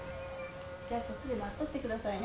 じゃあこっちで待っとって下さいね。